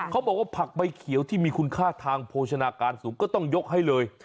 เขาบอกว่าผักใบเขียวที่มีคุณค่าทางโภชนาการสูงก็ต้องยกให้เลย